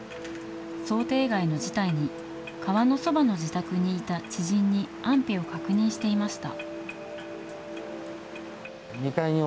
想定外の事態に、川のそばの自宅にいた知人に安否を確認していました。